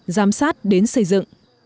giám sát đến xây dựng